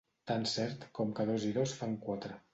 Tan cert com que dos i dos fan quatre.